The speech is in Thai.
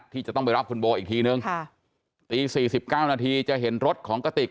ที่จะต้องไปรับคุณโบอีกทีนึงตี๔๙นาทีจะเห็นรถของกระติก